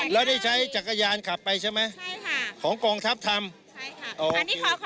แล้วนี่ใช่จักรยานขับไปช่าไหมของกล่องทับทำใช่ค่ะ